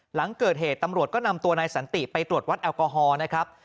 หลังเกิดเหตุตำรวจก็นำตัวนายสันติไปตรวจวัดแอลกอฮอล์นะครับ